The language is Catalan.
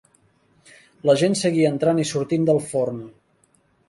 La gent seguia entrant i sortint del forn.